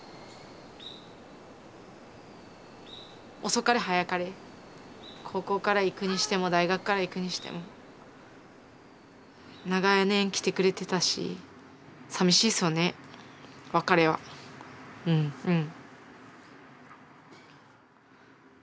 遅かれ早かれ高校から行くにしても大学から行くにしても長年来てくれてたしうんうん。